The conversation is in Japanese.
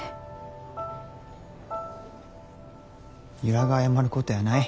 由良が謝ることやない。